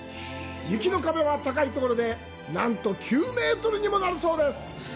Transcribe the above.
雪の壁は、高い所でなんと９メートルにもなるそうです。